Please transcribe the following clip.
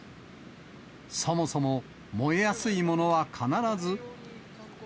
そもそも、燃えやすいものは必ず。